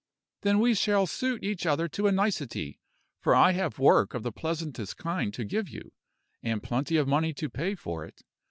"Then we shall suit each other to a nicety; for I have work of the pleasantest kind to give you, and plenty of money to pay for it.